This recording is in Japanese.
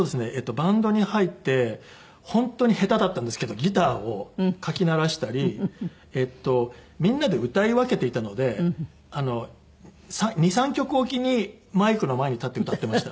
バンドに入って本当に下手だったんですけどギターをかき鳴らしたりみんなで歌い分けていたので２３曲おきにマイクの前に立って歌ってました。